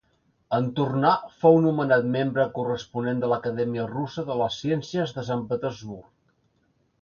En tornar fou nomenat membre corresponent de l'Acadèmia Russa de les Ciències de Sant Petersburg.